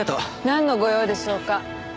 なんのご用でしょうか？